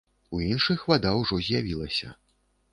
У іншых вада ўжо з'явілася.